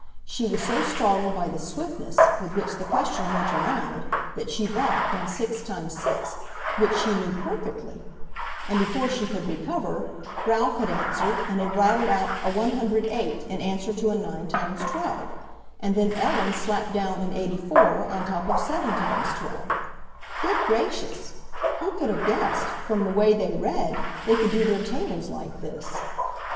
She was so startled by the swiftness with which the question went around that she balked on 6 x 6, which she knew perfectly. And before she could recover Ralph had answered and had rattled out a 108 in answer to 9 x 12; and then Ellen slapped down an 84 on top of 7 x 12. Good gracious! Who could have guessed, from the way they read, they could do their tables like this!